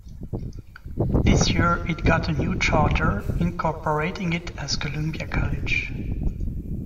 This year it got a new charter, incorporating it as Columbia College.